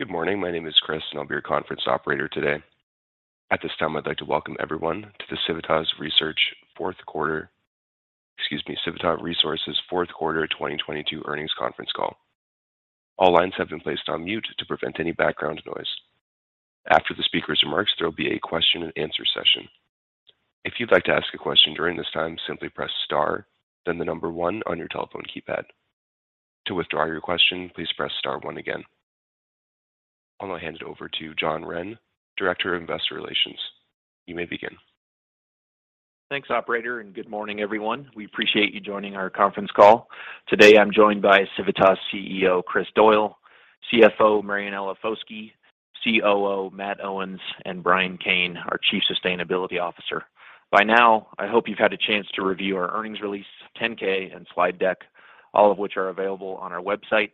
Good morning. My name is Chris, and I'll be your conference operator today. At this time, I'd like to welcome everyone to the Civitas Research fourth quarter... Excuse me, Civitas Resources fourth quarter 2022 earnings conference call. All lines have been placed on mute to prevent any background noise. After the speaker's remarks, there will be a question and answer session. If you'd like to ask a question during this time, simply press star, then the one on your telephone keypad. To withdraw your question, please press star one again. I'm going to hand it over to John Wren, Director of Investor Relations. You may begin. Thanks, operator. Good morning, everyone. We appreciate you joining our conference call. Today, I'm joined by Civitas CEO, Chris Doyle; CFO, Marianella Foschi; COO, Matt Owens; and Brian Cain, our Chief Sustainability Officer. By now, I hope you've had a chance to review our earnings release, 10-K and slide deck, all of which are available on our website.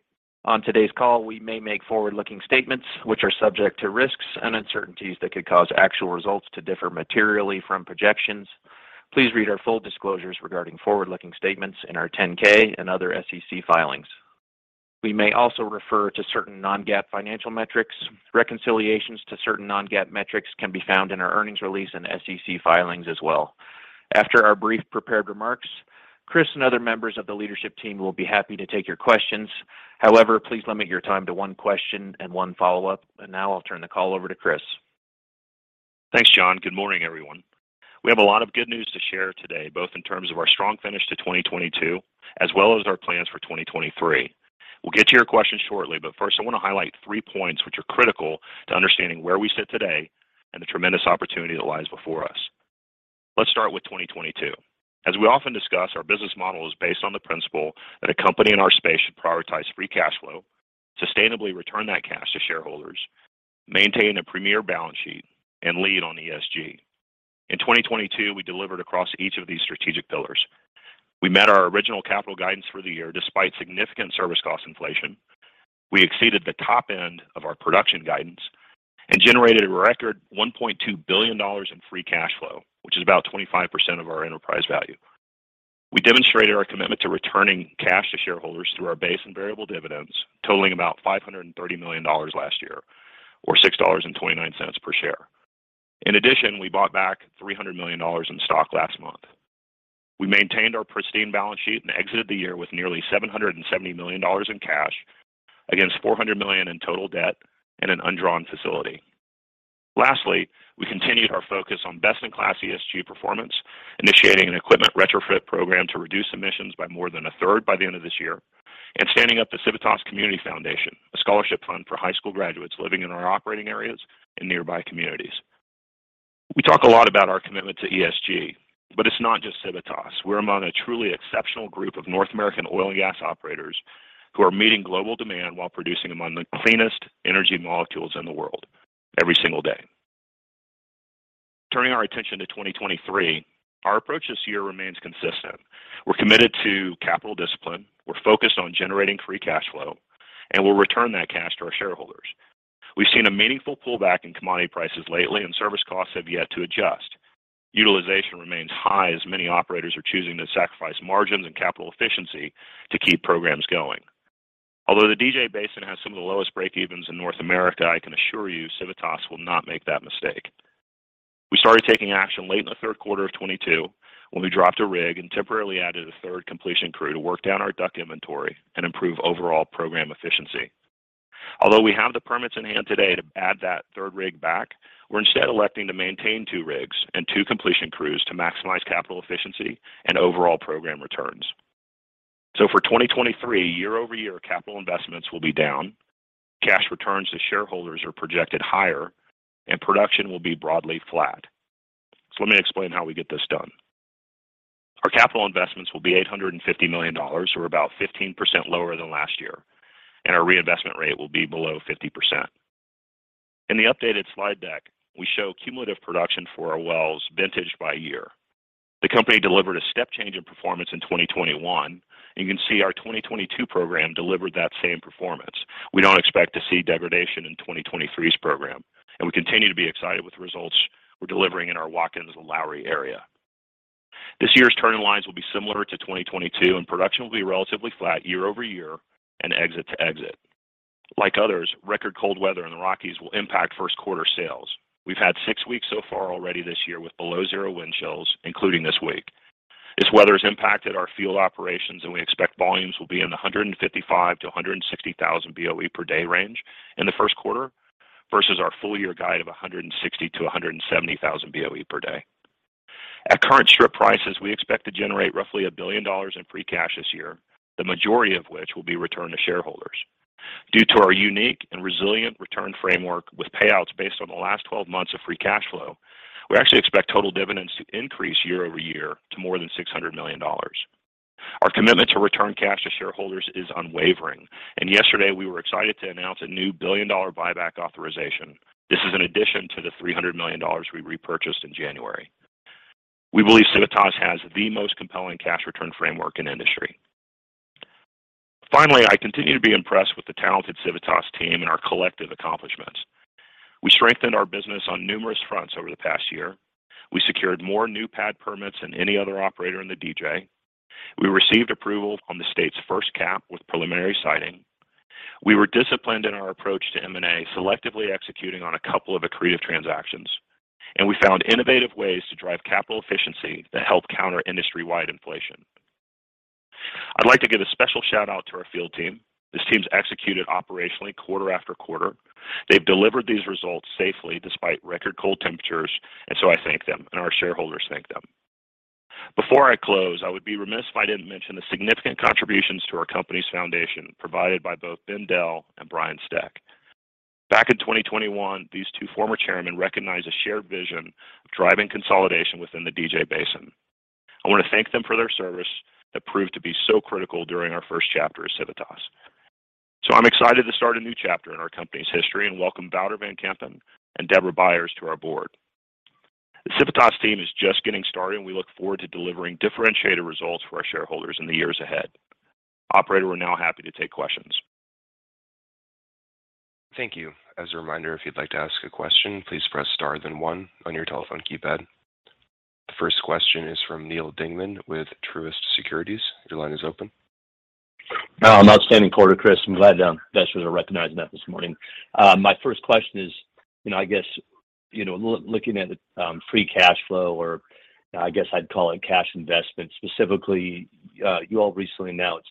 On today's call, we may make forward-looking statements which are subject to risks and uncertainties that could cause actual results to differ materially from projections. Please read our full disclosures regarding forward-looking statements in our 10-K and other SEC filings. We may also refer to certain non-GAAP financial metrics. Reconciliations to certain non-GAAP metrics can be found in our earnings release and SEC filings as well. After our brief prepared remarks, Chris and other members of the leadership team will be happy to take your questions. However, please limit your time to one question and one follow-up. Now I'll turn the call over to Chris. Thanks, John. Good morning, everyone. We have a lot of good news to share today, both in terms of our strong finish to 2022 as well as our plans for 2023. First, I want to highlight three points which are critical to understanding where we sit today and the tremendous opportunity that lies before us. Let's start with 2022. As we often discuss, our business model is based on the principle that a company in our space should prioritize free cash flow, sustainably return that cash to shareholders, maintain a premier balance sheet and lead on ESG. In 2022, we delivered across each of these strategic pillars. We met our original capital guidance for the year despite significant service cost inflation. We exceeded the top end of our production guidance and generated a record $1.2 billion in free cash flow, which is about 25% of our enterprise value. We demonstrated our commitment to returning cash to shareholders through our base and variable dividends, totaling about $530 million last year or $6.29 per share. We bought back $300 million in stock last month. We maintained our pristine balance sheet and exited the year with nearly $770 million in cash against $400 million in total debt and an undrawn facility. We continued our focus on best-in-class ESG performance, initiating an equipment retrofit program to reduce emissions by more than a third by the end of this year, and standing up the Civitas Community Foundation, a scholarship fund for high school graduates living in our operating areas in nearby communities. We talk a lot about our commitment to ESG. It's not just Civitas. We're among a truly exceptional group of North American oil and gas operators who are meeting global demand while producing among the cleanest energy molecules in the world every single day. Turning our attention to 2023, our approach this year remains consistent. We're committed to capital discipline. We're focused on generating free cash flow. We'll return that cash to our shareholders. We've seen a meaningful pullback in commodity prices lately. Service costs have yet to adjust. Utilization remains high as many operators are choosing to sacrifice margins and capital efficiency to keep programs going. Although the DJ Basin has some of the lowest break-evens in North America, I can assure you Civitas will not make that mistake. We started taking action late in the 3rd quarter of 2022 when we dropped a rig and temporarily added a 3rd completion crew to work down our DUC inventory and improve overall program efficiency. Although we have the permits in hand today to add that 3rd rig back, we're instead electing to maintain two rigs and two completion crews to maximize capital efficiency and overall program returns. For 2023, year-over-year capital investments will be down, cash returns to shareholders are projected higher, and production will be broadly flat. Let me explain how we get this done. Our capital investments will be $850 million or about 15% lower than last year. Our reinvestment rate will be below 50%. In the updated slide deck, we show cumulative production for our wells vintage by year. The company delivered a step change in performance in 2021. You can see our 2022 program delivered that same performance. We don't expect to see degradation in 2023's program. We continue to be excited with the results we're delivering in our Watkins and Lowry area. This year's turning lines will be similar to 2022. Production will be relatively flat year-over-year and exit to exit. Record cold weather in the Rockies will impact first quarter sales. We've had six weeks so far already this year with below zero wind chills, including this week. This weather has impacted our field operations. We expect volumes will be in the 155,000-160,000 BOE per day range in the first quarter versus our full year guide of 160,000-170,000 BOE per day. At current strip prices, we expect to generate roughly $1 billion in free cash this year, the majority of which will be returned to shareholders. Due to our unique and resilient return framework with payouts based on the last 12 months of free cash flow, we actually expect total dividends to increase year-over-year to more than $600 million. Our commitment to return cash to shareholders is unwavering. Yesterday, we were excited to announce a new billion-dollar buyback authorization. This is in addition to the $300 million we repurchased in January. We believe Civitas has the most compelling cash return framework in industry. Finally, I continue to be impressed with the talented Civitas team and our collective accomplishments. We strengthened our business on numerous fronts over the past year. We secured more new pad permits than any other operator in the DJ. We received approval on the state's first CAP with preliminary siting. We were disciplined in our approach to M&A, selectively executing on a couple of accretive transactions. We found innovative ways to drive capital efficiency that helped counter industry-wide inflation. I'd like to give a special shout-out to our field team. This team's executed operationally quarter after quarter. They've delivered these results safely despite record cold temperatures. I thank them, and our shareholders thank them. Before I close, I would be remiss if I didn't mention the significant contributions to our company's foundation provided by both Ben Dell and Brian Steck. Back in 2021, these two former chairmen recognized a shared vision of driving consolidation within the DJ Basin. I want to thank them for their service that proved to be so critical during our first chapter as Civitas. I'm excited to start a new chapter in our company's history and welcome Wouter van Kempen and Deborah Byers to our board. The Civitas team is just getting started, and we look forward to delivering differentiated results for our shareholders in the years ahead. Operator, we're now happy to take questions. Thank you. As a reminder, if you'd like to ask a question, please press star then one on your telephone keypad. The first question is from Neal Dingmann with Truist Securities. Your line is open. An outstanding quarter, Chris. I'm glad investors are recognizing that this morning. My first question is, you know, I guess, you know, looking at the free cash flow, or I guess I'd call it cash investment, specifically, you all recently announced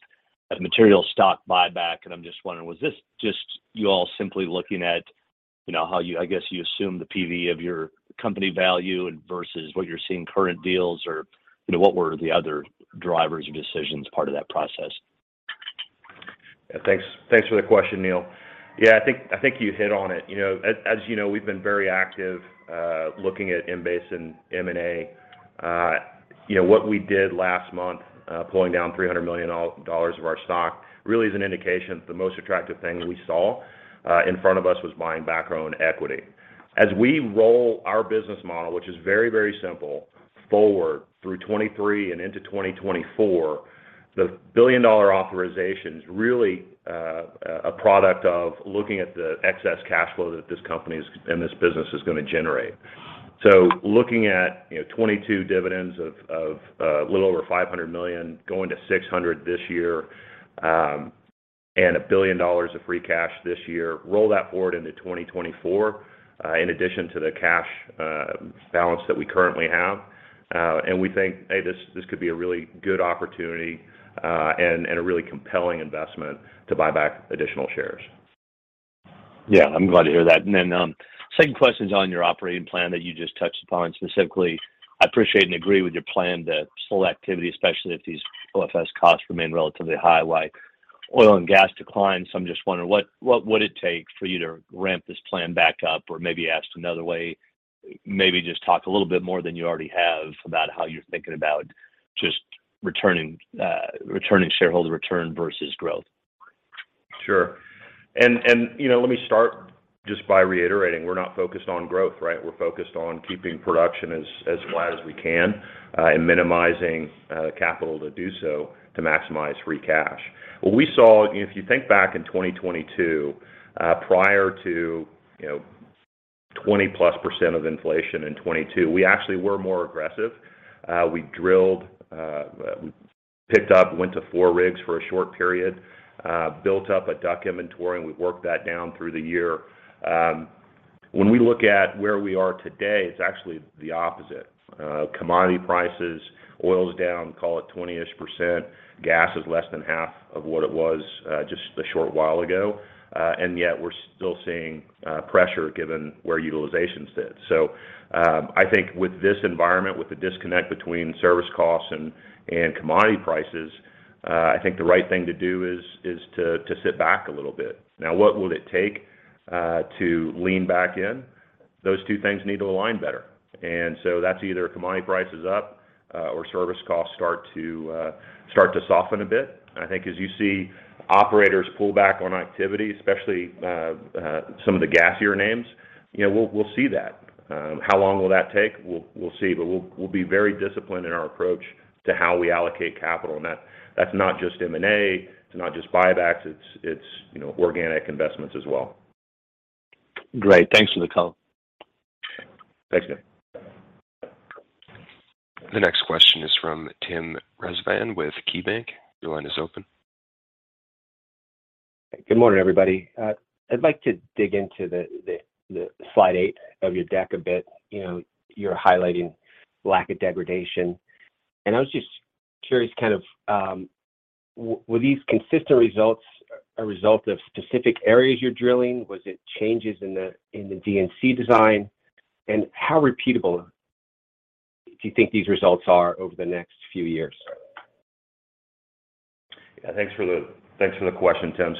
a material stock buyback. I'm just wondering, was this just you all simply looking at, you know, how you I guess you assume the PV of your company value versus what you're seeing current deals or, you know, what were the other drivers or decisions part of that process? Yeah. Thanks for the question, Neal. Yeah, I think you hit on it. You know, as you know, we've been very active looking at in-basin M&A. You know, what we did last month, pulling down $300 million of our stock really is an indication that the most attractive thing we saw in front of us was buying back our own equity. As we roll our business model, which is very simple, forward through 2023 and into 2024, the $1 billion authorization's really a product of looking at the excess cash flow that this company is, and this business is gonna generate. Looking at, you know, 2022 dividends of a little over $500 million, going to $600 million this year, and $1 billion of free cash this year, roll that forward into 2024, in addition to the cash balance that we currently have. We think, hey, this could be a really good opportunity, and a really compelling investment to buy back additional shares. Yeah. I'm glad to hear that. Second question's on your operating plan that you just touched upon. Specifically, I appreciate and agree with your plan to slow activity, especially if these OFS costs remain relatively high while oil and gas decline. I'm just wondering what would it take for you to ramp this plan back up? Maybe asked another way, maybe just talk a little bit more than you already have about how you're thinking about just returning shareholder return versus growth. Sure. You know, let me start just by reiterating, we're not focused on growth, right? We're focused on keeping production as flat as we can and minimizing capital to do so to maximize free cash. What we saw, if you think back in 2022, prior to, you know, 20%+ of inflation in 2022, we actually were more aggressive. We drilled, we picked up, went to four rigs for a short period, built up a DUC inventory, and we worked that down through the year. When we look at where we are today, it's actually the opposite. Commodity prices, oil's down, call it 20%-ish. Gas is less than half of what it was just a short while ago. We're still seeing pressure given where utilization sits. I think with this environment, with the disconnect between service costs and commodity prices, I think the right thing to do is to sit back a little bit. Now, what will it take to lean back in? Those two things need to align better. That's either commodity prices up or service costs start to soften a bit. I think as you see operators pull back on activity, especially some of the gassier names, you know, we'll see that. How long will that take? We'll see. We'll be very disciplined in our approach to how we allocate capital. That's not just M&A, it's not just buybacks, it's, you know, organic investments as well. Great. Thanks for the color. Thanks, Neal. The next question is from Tim Rezvan with KeyBanc. Your line is open. Good morning, everybody. I'd like to dig into the slide eight of your deck a bit. You know, you're highlighting lack of degradation. I was just curious kind of, were these consistent results a result of specific areas you're drilling? Was it changes in the D&C design? How repeatable do you think these results are over the next few years? Yeah. Thanks for the, thanks for the question, Tim.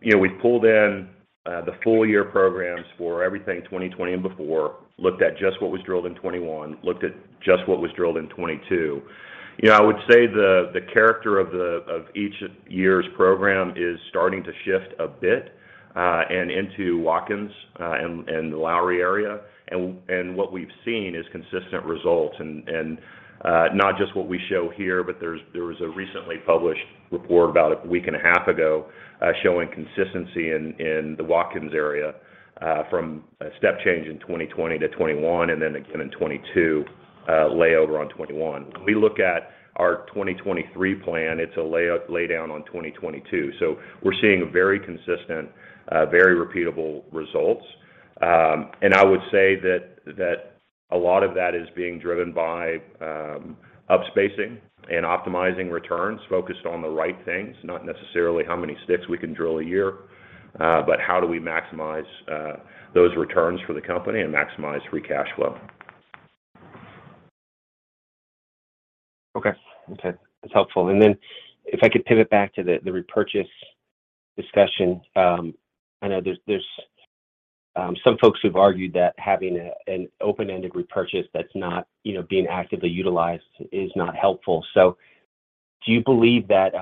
You know, we pulled in the full year programs for everything 2020 and before, looked at just what was drilled in 2021, looked at just what was drilled in 2022. Yeah, I would say the character of each year's program is starting to shift a bit and into Watkins and the Lowry area. What we've seen is consistent results and not just what we show here, but there was a recently published report about a week and a half ago showing consistency in the Watkins area from a step change in 2020 to 2021, and then again in 2022, layover on 2021. We look at our 2023 plan, it's a laydown on 2022. We're seeing very consistent, very repeatable results. I would say that a lot of that is being driven by upspacing and optimizing returns focused on the right things, not necessarily how many sticks we can drill a year, but how do we maximize those returns for the company and maximize free cash flow. Okay. Okay. That's helpful. If I could pivot back to the repurchase discussion. I know there's some folks who've argued that having an open-ended repurchase that's not, you know, being actively utilized is not helpful. Do you believe that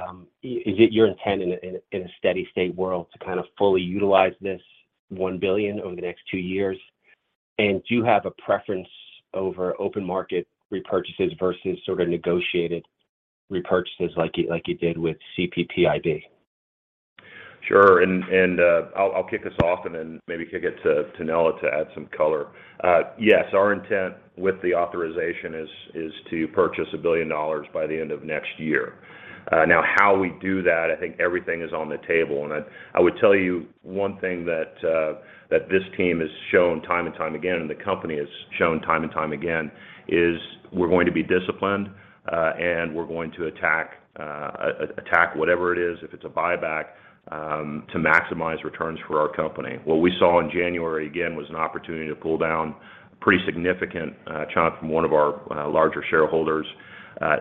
is it your intent in a, in a steady state world to kind of fully utilize this $1 billion over the next two years? Do you have a preference over open market repurchases versus sort of negotiated repurchases like you did with CPPIB? Sure. I'll kick us off and then maybe kick it to Nella to add some color. Yes, our intent with the authorization is to purchase $1 billion by the end of next year. How we do that, I think everything is on the table. I would tell you one thing that this team has shown time and time again, and the company has shown time and time again, is we're going to be disciplined, and we're going to attack whatever it is, if it's a buyback, to maximize returns for our company. What we saw in January, again, was an opportunity to pull down a pretty significant chunk from one of our larger shareholders,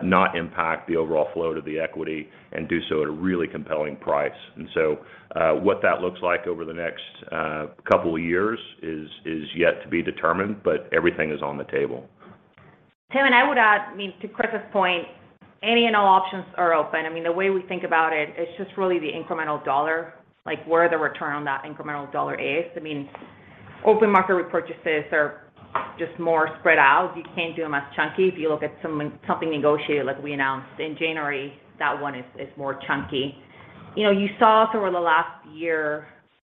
not impact the overall flow to the equity and do so at a really compelling price. What that looks like over the next couple of years is yet to be determined, but everything is on the table. Tim, I would add, I mean, to Chris's point, any and all options are open. I mean, the way we think about it's just really the incremental dollar, like where the return on that incremental dollar is. I mean, open market repurchases are just more spread out. You can't do them as chunky. If you look at something negotiated like we announced in January, that one is more chunky. You know, you saw sort of the last year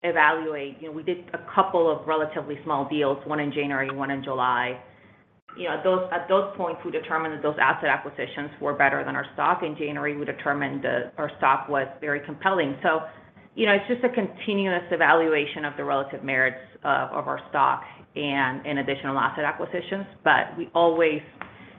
evaluate. You know, we did a couple of relatively small deals, one in January, one in July. You know, at those points, we determined that those asset acquisitions were better than our stock. In January, we determined our stock was very compelling. You know, it's just a continuous evaluation of the relative merits of our stock and in additional asset acquisitions. We always,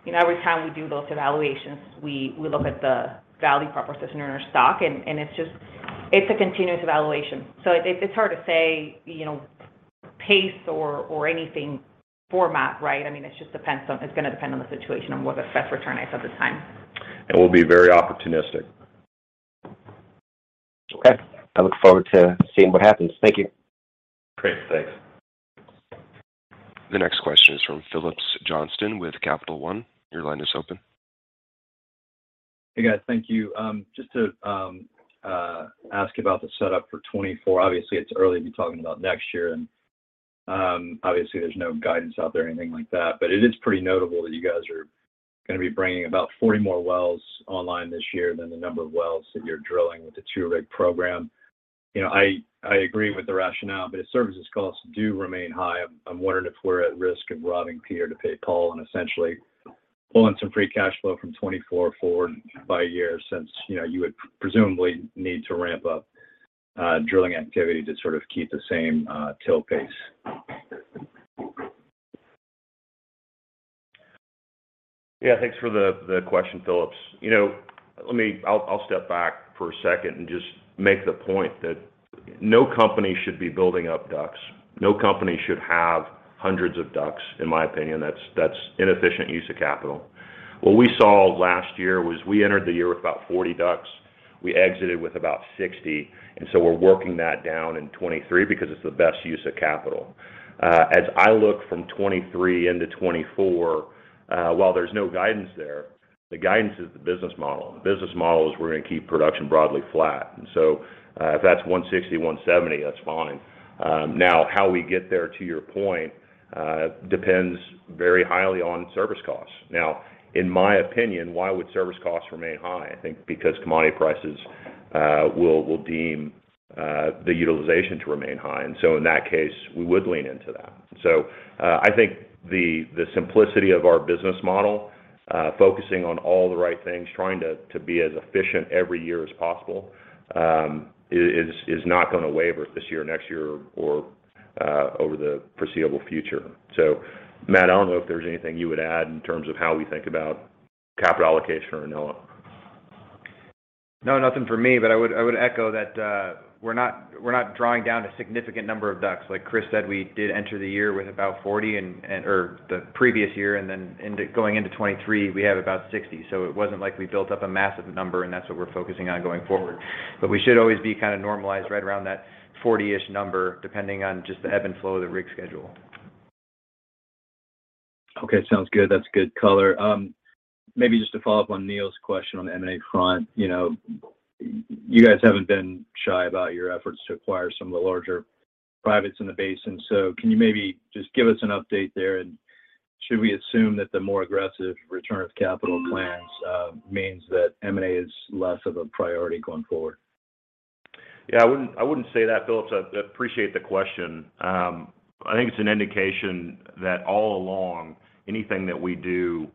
you know, every time we do those evaluations, we look at the value proposition in our stock, and it's a continuous evaluation. It's hard to say, you know, pace or anything format, right? I mean, it's gonna depend on the situation and what the best return is at the time. We'll be very opportunistic. Okay. I look forward to seeing what happens. Thank you. Great. Thanks. The next question is from Phillips Johnston with Capital One. Your line is open. Hey, guys. Thank you. just to ask about the setup for 2024. Obviously, it's early to be talking about next year, and obviously, there's no guidance out there or anything like that. It is pretty notable that you guys are gonna be bringing about 40 more wells online this year than the number of wells that you're drilling with the two-rig program. You know, I agree with the rationale, if services costs do remain high, I'm wondering if we're at risk of robbing Peter to pay Paul and essentially pulling some free cash flow from 2024 forward by a year since, you know, you would presumably need to ramp up drilling activity to sort of keep the same till pace. Yeah. Thanks for the question, Phillips. You know, I'll step back for a second and just make the point that no company should be building up DUCs. No company should have hundreds of DUCs, in my opinion. That's, that's inefficient use of capital. What we saw last year was we entered the year with about 40 DUCs. We exited with about 60, and so we're working that down in 2023 because it's the best use of capital. As I look from 2023 into 2024, while there's no guidance there, the guidance is the business model. The business model is we're gonna keep production broadly flat. If that's 160, 170, that's fine. Now how we get there, to your point, depends very highly on service costs. Now, in my opinion, why would service costs remain high? I think because commodity prices will deem the utilization to remain high. In that case, we would lean into that. I think the simplicity of our business model, focusing on all the right things, trying to be as efficient every year as possible, is not gonna waver this year, next year, or over the foreseeable future. Matt, I don't know if there's anything you would add in terms of how we think about capital allocation or not. No, nothing for me. I would echo that we're not drawing down a significant number of DUCs. Like Chris said, we did enter the year with about 40 or the previous year, going into 2023, we have about 60. It wasn't like we built up a massive number, and that's what we're focusing on going forward. We should always be kind of normalized right around that 40-ish number, depending on just the ebb and flow of the rig schedule. Okay, sounds good. That's good color. Maybe just to follow up on Neal's question on the M&A front. You know, you guys haven't been shy about your efforts to acquire some of the larger privates in the basin. Can you maybe just give us an update there? And should we assume that the more aggressive return of capital plans means that M&A is less of a priority going forward? Yeah, I wouldn't say that, Phillips. I appreciate the question. I think it's an indication that all along, anything that we do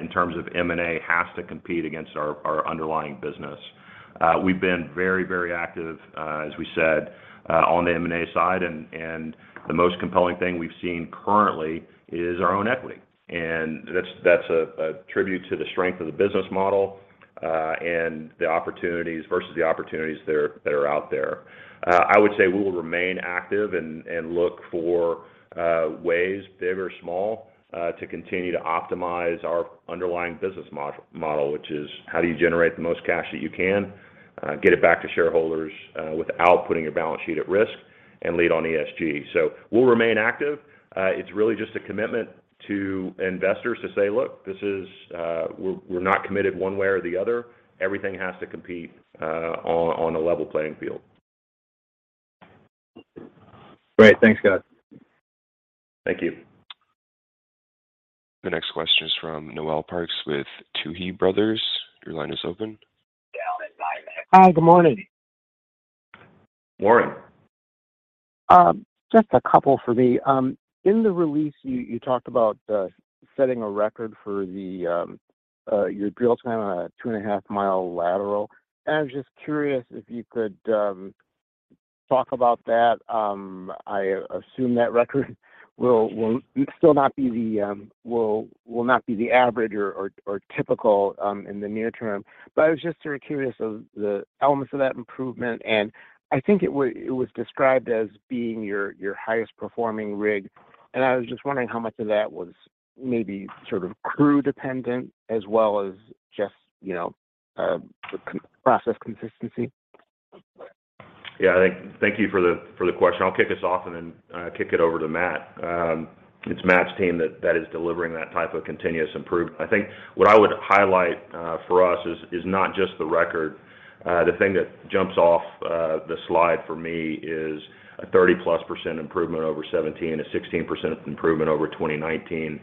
in terms of M&A has to compete against our underlying business. We've been very active, as we said, on the M&A side. The most compelling thing we've seen currently is our own equity. That's a tribute to the strength of the business model and the opportunities versus the opportunities that are out there. I would say we will remain active and look for ways, big or small, to continue to optimize our underlying business model, which is how do you generate the most cash that you can, get it back to shareholders, without putting your balance sheet at risk, and lead on ESG. We'll remain active. It's really just a commitment to investors to say, "Look, this is... we're not committed one way or the other. Everything has to compete on a level playing field. Great. Thanks, guys. Thank you. The next question is from Noel Parks with Tuohy Brothers. Your line is open. Hi, good morning. Morning. Just a couple for me. In the release, you talked about setting a record for the your drill time on a 2.5 mile lateral. I'm just curious if you could talk about that. I assume that record will still not be the will not be the average or typical in the near term. I was just sort of curious of the elements of that improvement, and I think it was described as being your highest performing rig. I was just wondering how much of that was maybe sort of crew dependent as well as just, you know, process consistency? Yeah, thank you for the question. I'll kick us off and then kick it over to Matt. It's Matt's team that is delivering that type of continuous improvement. I think what I would highlight for us is not just the record. The thing that jumps off the slide for me is a 30%+ improvement over 2017, a 16% improvement over 2019.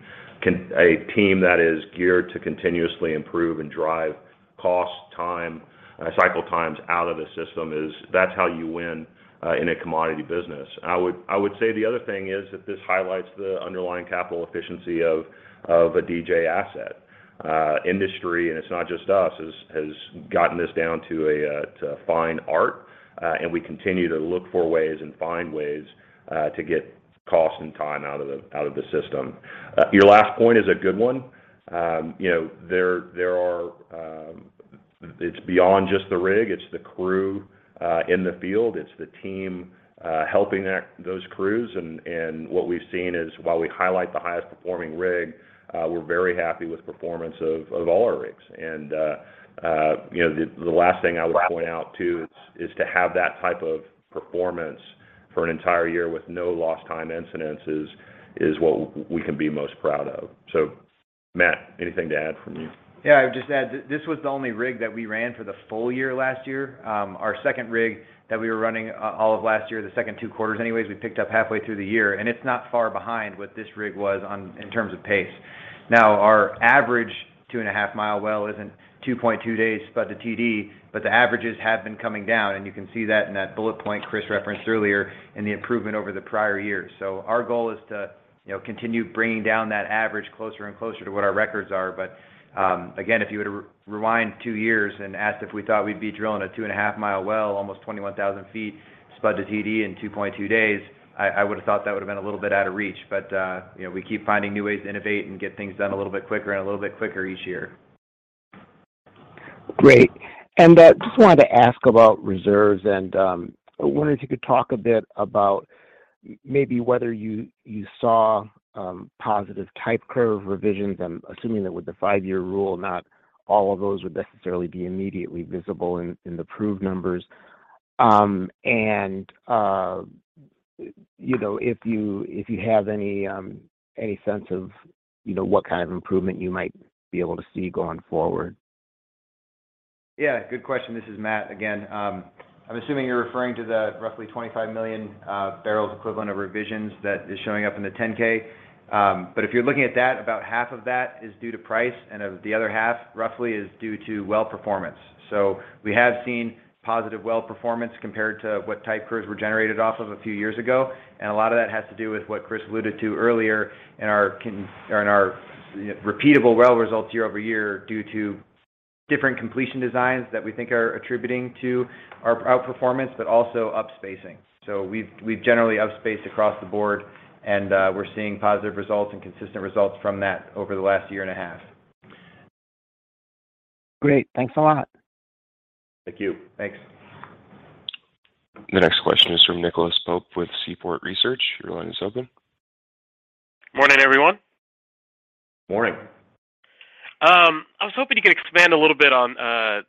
A team that is geared to continuously improve and drive cost, time, cycle times out of a system is that's how you win in a commodity business. I would say the other thing is that this highlights the underlying capital efficiency of a DJ asset. Industry, and it's not just us, has gotten this down to a fine art. We continue to look for ways and find ways to get cost and time out of the, out of the system. Your last point is a good one. You know, there are, it's beyond just the rig. It's the crew in the field. It's the team helping those crews. What we've seen is while we highlight the highest performing rig, we're very happy with performance of all our rigs. You know, the last thing I would point out, too, is to have that type of performance for an entire year with no lost time incidences is what we can be most proud of. Matt, anything to add from you? Yeah, I'd just add, this was the only rig that we ran for the full year last year. Our second rig that we were running all of last year, the second two quarters anyways, we picked up halfway through the year, and it's not far behind what this rig was in terms of pace. Our average 2.5 mile well isn't 2.2 days spud to TD, but the averages have been coming down, and you can see that in that bullet point Chris referenced earlier in the improvement over the prior years. Our goal is to, you know, continue bringing down that average closer and closer to what our records are. Again, if you were to rewind two years and asked if we thought we'd be drilling a two and a half mile well, almost 21,000 ft spud to TD in 2.2 days, I would have thought that would've been a little bit out of reach. You know, we keep finding new ways to innovate and get things done a little bit quicker and a little bit quicker each year. Great. Just wanted to ask about reserves and, wondering if you could talk a bit about maybe whether you saw positive type curve revisions. I'm assuming that with the five-year rule, not all of those would necessarily be immediately visible in the proved numbers. You know, if you have any sense of, you know, what kind of improvement you might be able to see going forward? Yeah, good question. This is Matt again. I'm assuming you're referring to the roughly $25 million barrels equivalent of revisions that is showing up in the 10-K. If you're looking at that, about half of that is due to price, and of the other half, roughly, is due to well performance. We have seen positive well performance compared to what type curves were generated off of a few years ago. A lot of that has to do with what Chris alluded to earlier in our, you know, repeatable well results year-over-year due to different completion designs that we think are attributing to our outperformance, but also up spacing. We've generally up-spaced across the board, and we're seeing positive results and consistent results from that over the 1.5 years. Great. Thanks a lot. Thank you. Thanks. The next question is from Nicholas Pope with Seaport Research. Your line is open. Morning, everyone. Morning. I was hoping you could expand a little bit on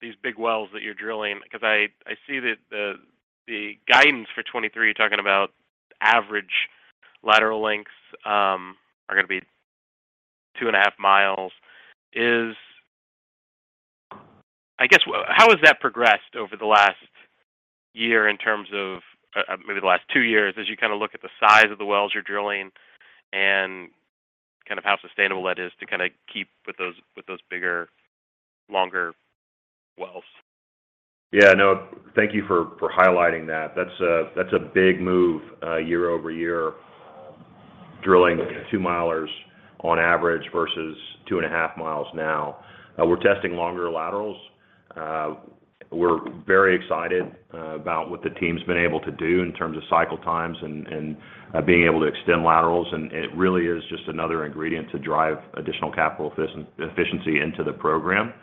these big wells that you're drilling, 'cause I see that the guidance for 2023, you're talking about average lateral lengths are gonna be two and a half miles. I guess, how has that progressed over the last year in terms of maybe the last two years, as you kinda look at the size of the wells you're drilling and kind of how sustainable that is to kinda keep with those bigger, longer wells? Yeah, no, thank you for highlighting that. That's a big move year-over-year, drilling two-milers on average versus 2.5 miles now. We're testing longer laterals. We're very excited about what the team's been able to do in terms of cycle times and being able to extend laterals. It really is just another ingredient to drive additional capital efficiency into the program.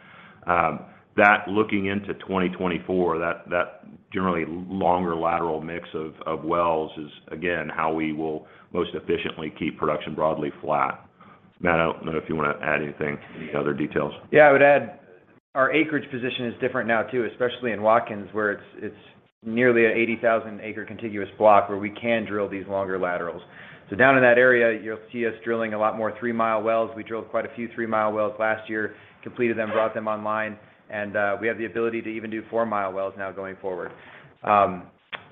Looking into 2024, that generally longer lateral mix of wells is, again, how we will most efficiently keep production broadly flat. Matt, I don't know if you wanna add anything, any other details? Yeah, I would add our acreage position is different now too, especially in Watkins, where it's nearly a 80,000 acre contiguous block where we can drill these longer laterals. Down in that area, you'll see us drilling a lot more three-mile wells. We drilled quite a few three-mile wells last year, completed them, brought them online, and we have the ability to even do four-mile wells now going forward.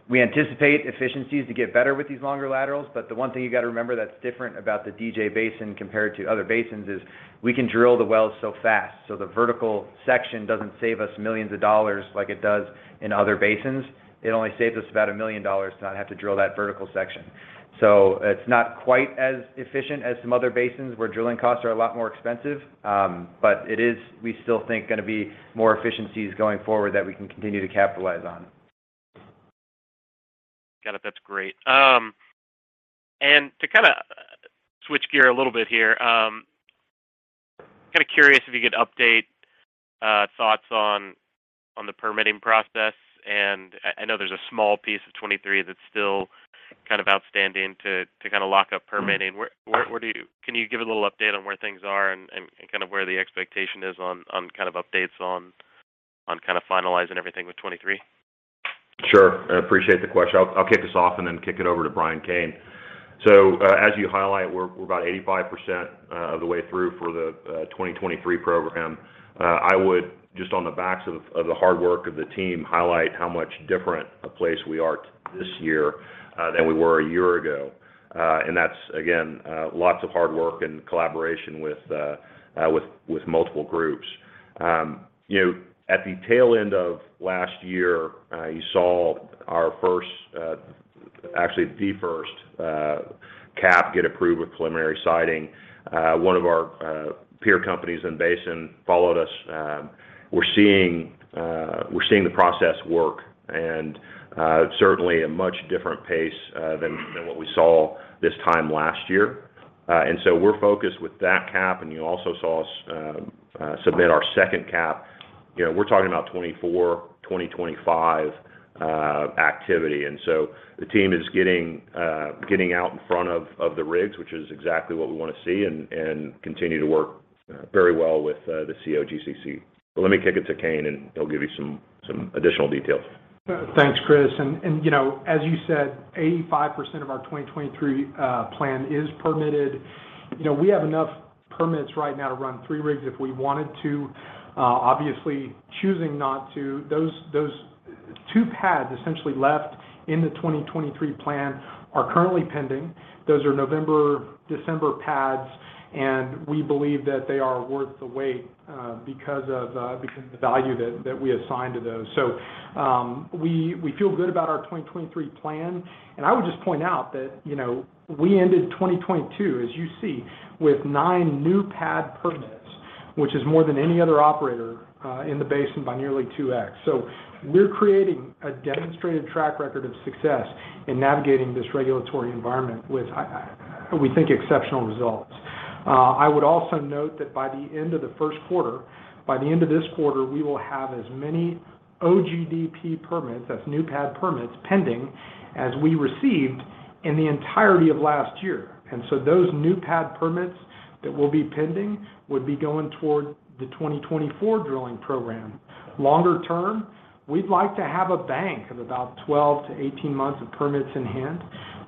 We anticipate efficiencies to get better with these longer laterals, but the one thing you gotta remember that's different about the DJ Basin compared to other basins is we can drill the wells so fast, so the vertical section doesn't save us millions of dollars like it does in other basins. It only saves us about $1 million to not have to drill that vertical section. It's not quite as efficient as some other basins where drilling costs are a lot more expensive, but it is, we still think, gonna be more efficiencies going forward that we can continue to capitalize on. Got it. That's great. and to kinda switch gear a little bit here, kinda curious if you could update, thoughts on the permitting process. I know there's a small piece of 2023 that's still kind of outstanding to kinda lock up permitting. Can you give a little update on where things are and kind of where the expectation is on kinda updates on kinda finalizing everything with 2023? Sure. I appreciate the question. I'll kick us off and then kick it over to Brian Cain. As you highlight, we're about 85% of the way through for the 2023 program. I would just on the backs of the hard work of the team highlight how much different a place we are this year than we were a year ago. And that's again, lots of hard work and collaboration with multiple groups. You know, at the tail end of last year, you saw our first, actually the first CAP get approved with preliminary siting. One of our peer companies in Basin followed us. We're seeing the process work and certainly a much different pace than what we saw this time last year. We're focused with that CAP, and you also saw us submit our second CAP. You know, we're talking about 2024, 2025 activity. The team is getting out in front of the rigs, which is exactly what we wanna see and continue to work very well with the COGCC. Let me kick it to Cain, and he'll give you some additional details. Thanks, Chris. You know, as you said, 85% of our 2023 plan is permitted. You know, we have enough permits right now to run 3 rigs if we wanted to. Obviously choosing not to. Those 2 pads essentially left in the 2023 plan are currently pending. Those are November, December pads, and we believe that they are worth the wait because of the value that we assign to those. We feel good about our 2023 plan. I would just point out that, you know, we ended 2022, as you see, with 9 new pad permits, which is more than any other operator in the basin by nearly 2x. We're creating a demonstrated track record of success in navigating this regulatory environment with we think exceptional results. I would also note that by the end of the first quarter, by the end of this quarter, we will have as many OGDP permits, that's new pad permits, pending as we received in the entirety of last year. Those new pad permits that will be pending would be going toward the 2024 drilling program. Longer term, we'd like to have a bank of about 12-18 months of permits in hand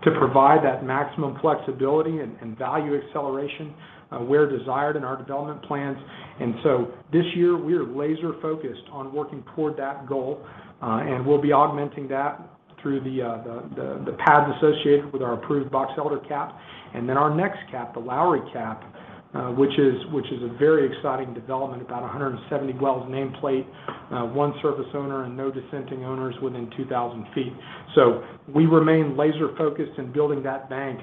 to provide that maximum flexibility and value acceleration, where desired in our development plans. This year, we're laser focused on working toward that goal. And we'll be augmenting that through the pads associated with our approved Boxelder CAP. Our next CAP, the Lowry CAP, which is a very exciting development, about 170 wells nameplate, one surface owner and no dissenting owners within 2,000 feet. We remain laser focused in building that bank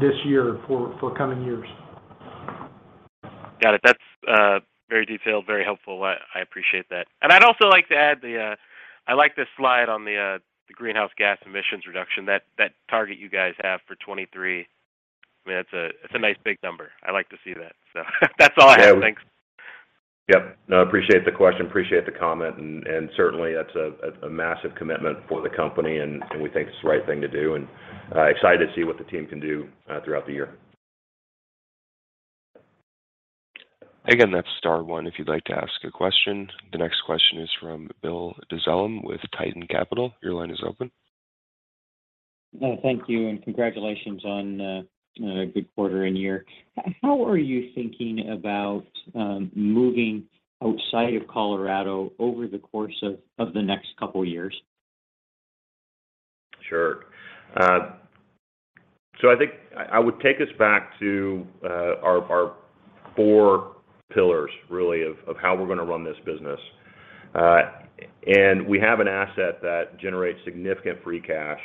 this year for coming years. Got it. That's very detailed, very helpful. I appreciate that. I'd also like to add the, I like this slide on the greenhouse gas emissions reduction, that target you guys have for 2023. I mean, that's a nice big number. I like to see that. That's all I have. Thanks. Yep. No, I appreciate the question. Appreciate the comment. Certainly that's a massive commitment for the company, and we think it's the right thing to do, and excited to see what the team can do throughout the year. That's star one if you'd like to ask a question. The next question is from Bill Dezellem with Tieton Capital. Your line is open. Thank you, and congratulations on a good quarter and year. How are you thinking about moving outside of Colorado over the course of the next couple years? Sure. So I think I would take us back to our four pillars really of how we're gonna run this business. We have an asset that generates significant free cash.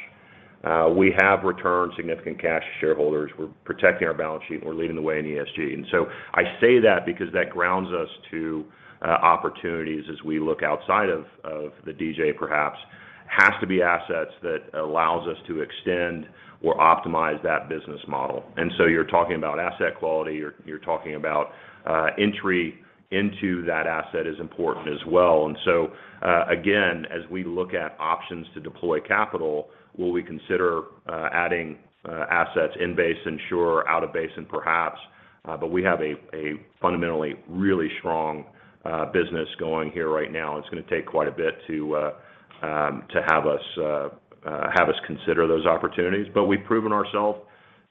We have returned significant cash to shareholders. We're protecting our balance sheet, and we're leading the way in ESG. I say that because that grounds us to opportunities as we look outside of the DJ perhaps. Has to be assets that allows us to extend or optimize that business model. You're talking about asset quality, you're talking about entry into that asset is important as well. Again, as we look at options to deploy capital, will we consider adding assets in base ensure, out of basin perhaps. We have a fundamentally really strong business going here right now. It's gonna take quite a bit to have us consider those opportunities. We've proven ourself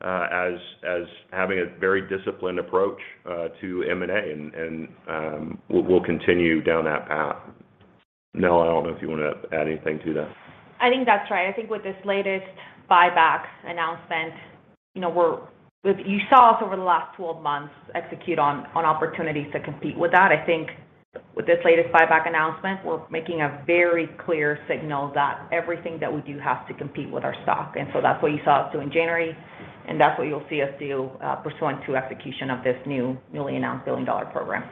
as having a very disciplined approach to M&A and we'll continue down that path. Marianella, I don't know if you wanna add anything to that? I think that's right. I think with this latest buybacks announcement, you know, you saw us over the last 12 months execute on opportunities to compete with that. I think with this latest buyback announcement, we're making a very clear signal that everything that we do has to compete with our stock. That's what you saw us do in January, and that's what you'll see us do pursuant to execution of this new, newly announced billion-dollar program.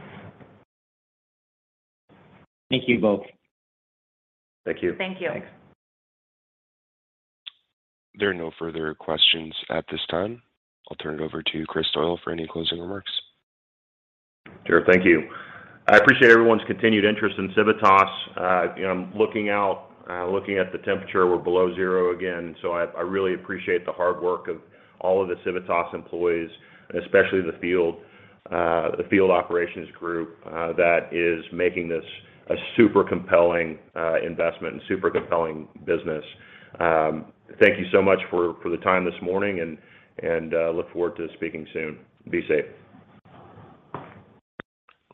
Thank you both. Thank you. Thank you. Thanks. There are no further questions at this time. I'll turn it over to Chris Doyle for any closing remarks. Sure. Thank you. I appreciate everyone's continued interest in Civitas. You know, I'm looking out, looking at the temperature, we're below zero again, so I really appreciate the hard work of all of the Civitas employees, especially the field, the field operations group, that is making this a super compelling investment and super compelling business. Thank you so much for the time this morning, and look forward to speaking soon. Be safe.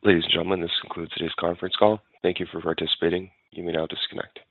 Ladies and gentlemen, this concludes today's conference call. Thank you for participating. You may now disconnect.